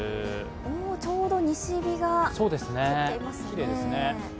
ちょうど西日が照っていますね。